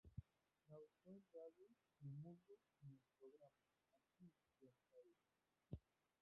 Trabajó en Radio El Mundo en el programa "Aquí... Buenos Aires!!